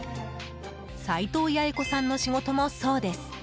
齊藤八重子さんの仕事もそうです。